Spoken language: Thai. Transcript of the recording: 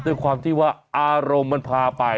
ด้วยความที่ว่าอารมณ์มันพาไป